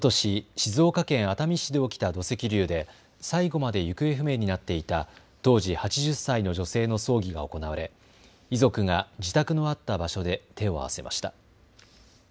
静岡県熱海市で起きた土石流で最後まで行方不明になっていた当時８０歳の女性の葬儀が行われ遺族が自宅のあった場所で手を合わせました。